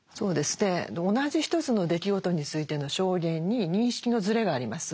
同じ一つの出来事についての証言に認識のずれがあります。